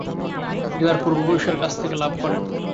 তিনি তার পুর্বপুরুষের কাছ থেকে লাভ করেন।